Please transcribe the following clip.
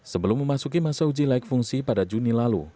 sebelum memasuki masa uji layak fungsi pada juni lalu